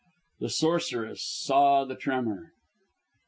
The sorceress saw the tremor.